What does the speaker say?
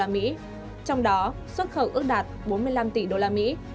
trong đó xuất khẩu ước đạt bốn mươi năm tỷ usd